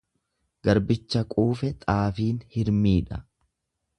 Garbicha quufe xaafiin hirmiidha.